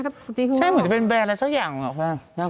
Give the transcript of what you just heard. ใช่เหมือนจะเป็นแบรนดอะไรสักอย่างเหรอ